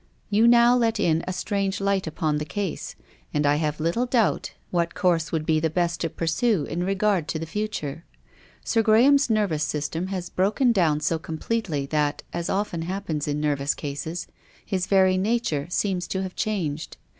You now let in a strange light upon the case, and I have little doubt what 74 TONGUES OF CONSCIENCE. course would be the best to pursue in regard to the future. Sir Graham's nervous system has broken down so completely that, as oftens hap pens in nervous cases, his very nature seems to have changed.